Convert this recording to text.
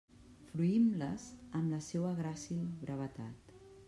Fruïm-les amb la seua gràcil brevetat.